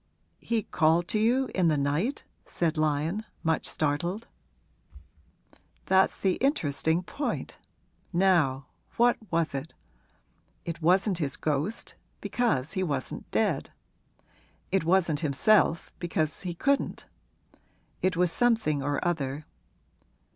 'He called to you in the night?' said Lyon, much startled. 'That's the interesting point. Now what was it? It wasn't his ghost, because he wasn't dead. It wasn't himself, because he couldn't. It was something or other!